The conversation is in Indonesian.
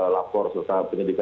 lapor serta penyelidikan